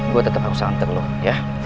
gua tetep harus nganter lu ya